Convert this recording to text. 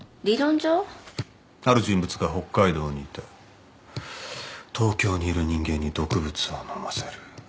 ある人物が北海道にいて東京にいる人間に毒物を飲ませる。